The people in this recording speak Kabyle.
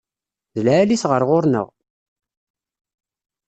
D lɛali-t ɣer ɣur-neɣ.